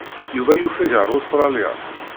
Yuba yufeg ar Ustṛalya.